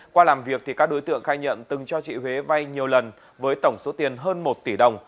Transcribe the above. qua làm việc các đối tượng khai nhận từng cho chị huế vay nhiều lần với tổng số tiền hơn một tỷ đồng